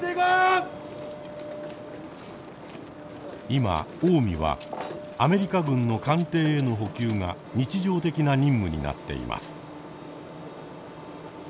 今「おうみ」はアメリカ軍の艦艇への補給が日常的な任務になっています。